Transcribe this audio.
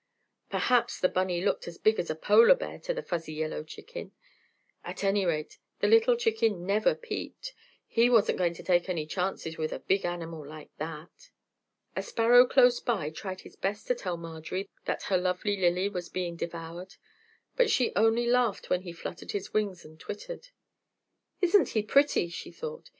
Perhaps the bunny looked as big as a polar bear to the fuzzy yellow chicken. At any rate, the little chicken never peeped! He wasn't going to take any chances with a big animal like that! A sparrow close by tried his best to tell Marjorie that her lovely lily was being devoured, but she only laughed when he fluttered his wings and twittered. "Isn't he pretty?" she thought.